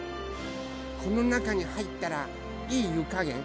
このなかにはいったらいいゆかげん？